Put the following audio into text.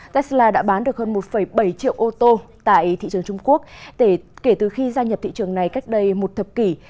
tesla đã bán được hơn một bảy triệu ô tô tại thị trường trung quốc kể từ khi gia nhập thị trường này cách đây một thập kỷ